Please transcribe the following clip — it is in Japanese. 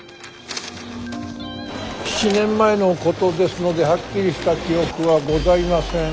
７年前のことですのではっきりした記憶はございません。